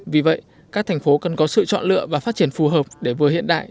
vì vậy các thành phố cần có sự chọn lựa và phát triển phù hợp để vừa hiện đại